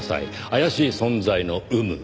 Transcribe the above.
怪しい存在の有無。